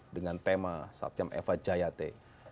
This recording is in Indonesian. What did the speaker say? dengan tema satyam eva jayate